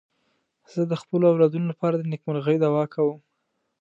زه د خپلو اولادونو لپاره د نېکمرغۍ دعا کوم.